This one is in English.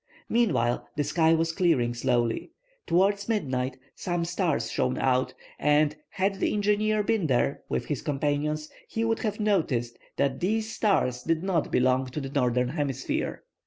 Meanwhile the sky was clearing slowly. Towards midnight, some stars shone out, and, had the engineer been there with his companions, he would have noticed that these stars did not belong to the northern hemisphere.